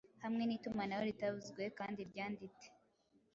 hamwe nitumanaho ritavuzwe kandi ryandite